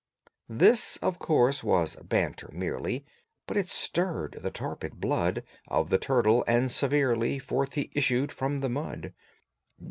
This, of course, was banter merely, But it stirred the torpid blood Of the turtle, and severely Forth he issued from the mud.